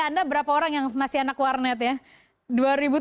anda berapa orang yang masih anak warnet ya